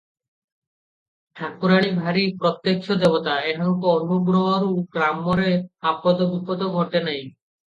ଠାକୁରାଣୀ ଭାରି ପ୍ରତ୍ୟକ୍ଷ ଦେବତା, ଏହାଙ୍କ ଅନୁଗ୍ରହରୁ ଗ୍ରାମରେ ଆପଦବିପଦ ଘଟେ ନାହିଁ ।